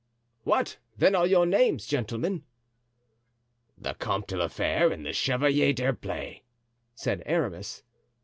"What? then, are your names, gentlemen?" "The Comte de la Fere and the Chevalier d'Herblay," said Aramis.